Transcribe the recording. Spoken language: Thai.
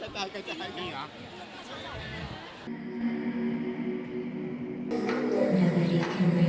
จ่ายจ่ายจ่ายจ่ายจ่ายจ่าย